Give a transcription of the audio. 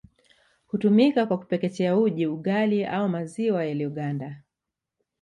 Hutumika kwa kupekechea uji ugali au maziwa yaliyoganda